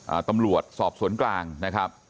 ตำรวจสอบสวนกลางนะครับ